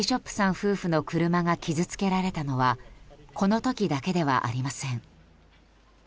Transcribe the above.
夫婦の車が傷つけられたのはこの時だけではありません。